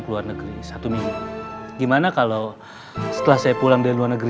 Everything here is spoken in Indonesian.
di luar negeri satu minggu gimana kalau setelah burung rioji vogel dua ribu enam belas